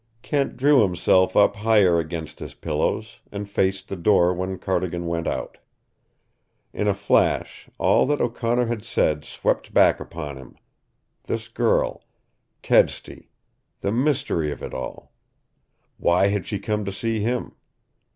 Kent drew himself up higher against his pillows and faced the door when Cardigan went out. In a flash all that O'Connor had said swept back upon him this girl, Kedsty, the mystery of it all. Why had she come to see him?